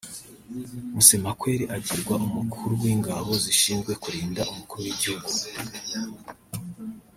Musemakweli agirwa Umukuru w’Ingabo zishinzwe kurinda Umukuru w’Igihugu